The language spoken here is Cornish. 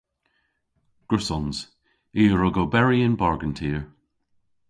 Gwrussons. I a wrug oberi yn bargen tir.